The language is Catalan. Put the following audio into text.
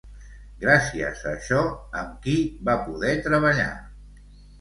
Gràcies a això, amb qui va poder treballar?